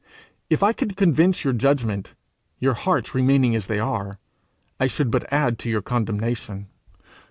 If I could convince your judgment, your hearts remaining as they are, I should but add to your condemnation.